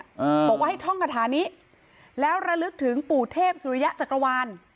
อ่าบอกว่าให้ท่องคาถานี้แล้วระลึกถึงปู่เทพสุริยะจักรวาล